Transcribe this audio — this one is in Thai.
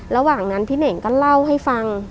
ระหว่างนั้นพี่เน่งก็เล่าให้ฟัง